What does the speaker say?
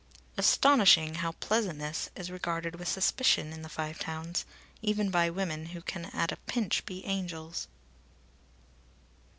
Astonishing, how pleasantness is regarded with suspicion in the Five Towns, even by women who can at a pinch be angels!